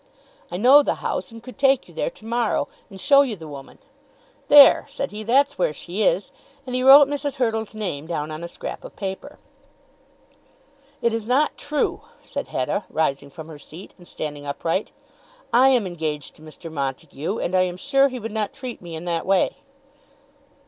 I know the house, and could take you there to morrow, and show you the woman. There," said he, "that's where she is;" and he wrote Mrs. Hurtle's name down on a scrap of paper. "It is not true," said Hetta, rising from her seat, and standing upright. "I am engaged to Mr. Montague, and I am sure he would not treat me in that way."